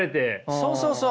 そうそうそう。